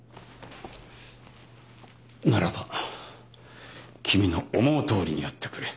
ならば君の思うとおりにやってくれ。